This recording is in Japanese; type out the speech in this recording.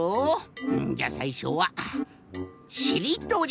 うんじゃあさいしょは「しりとり」。